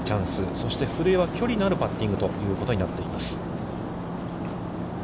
そして古江は、距離のあるパッティングということになっています。